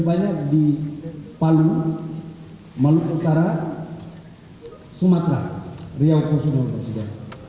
lebih banyak di palu malu utara sumatera riau kosovo dan juga